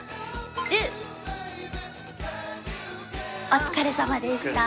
お疲れさまでした。